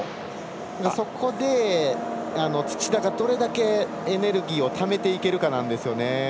そこで土田がどれだけエネルギーをためていけるかなんですよね。